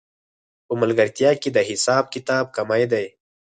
په ملګرتیا کې د حساب کتاب کمی دی